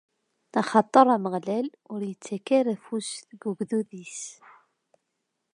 Axaṭer Ameɣlal ur ittak ara afus deg ugdud-is.